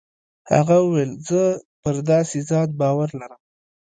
هغه وويل زه پر داسې ذات باور لرم.